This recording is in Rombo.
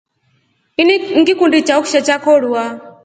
Ini ngikundi chao kishaa chakorwa.